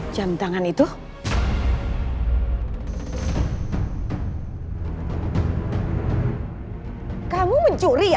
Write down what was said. kamu mencuri ya